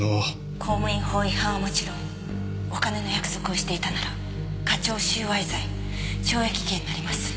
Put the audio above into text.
公務員法違反はもちろんお金の約束をしていたなら加重収賄罪懲役刑になります。